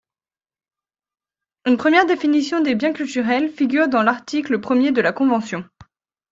Une première définition des biens culturels figure dans l'article premier de la Convention.